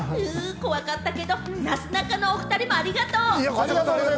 怖かったけれども、なすなかのお２人もありがとう。